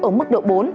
ở mức độ bốn